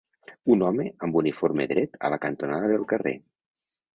Un home amb uniforme dret a la cantonada del carrer